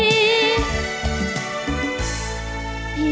จริง